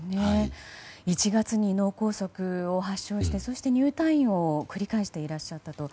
１月に脳梗塞を発症してそして入退院を繰り返していらっしゃったと。